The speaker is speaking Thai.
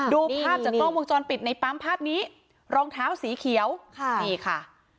ดูภาพจากกล้องวงจรปิดในปั๊มภาพนี้รองเท้าสีเขียวค่ะนี่ค่ะ